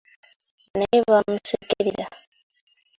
Naye baamusekerera.